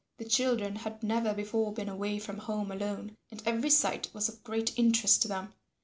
The children had never before been away from home alone and every sight was of great interest to them.